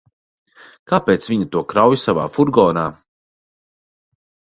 Kāpēc viņa to krauj savā furgonā?